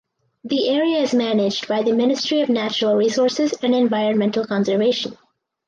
The area is managed by the Ministry of Natural Resources and Environmental Conservation.